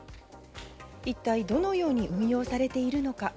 一体どのように運用されているのか？